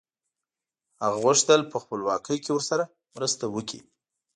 هغه غوښتل په خپلواکۍ کې ورسره مرسته وکړي.